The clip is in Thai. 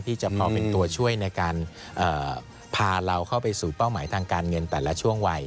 ที่จะพอเป็นตัวช่วยในการพาเราเข้าไปสู่เป้าหมายทางการเงินแต่ละช่วงวัย